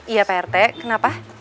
iya pak rt kenapa